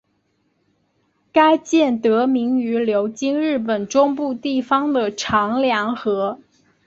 该舰得名于流经日本中部地方的长良河。